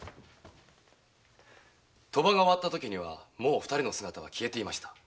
賭場が終わったときにはもう二人の姿は消えていました。